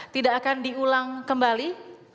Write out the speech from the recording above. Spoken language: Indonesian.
tidak akan diulang kembali